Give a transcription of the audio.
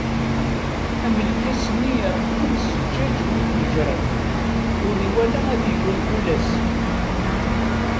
Am lkas-nni ireqmen s zǧaǧ mi t-nejṛen, ur nwala ad idum kul ass.